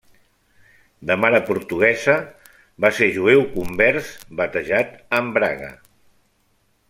De mare portuguesa, va ser jueu convers batejat en Braga.